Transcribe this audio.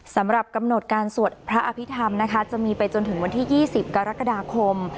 สำหรับกำหนดการสวดพระอภิษฐรรมนะคะจะมีไปจนถึงวันที่๒๐กรกฎาคม